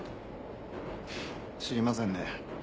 知りませんね。